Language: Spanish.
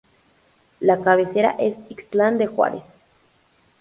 La cabecera es Ixtlán de Juárez.